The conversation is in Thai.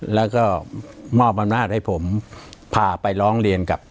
แล้วก็มอบอำนาจให้ผมพาไปร้องเรียนกับ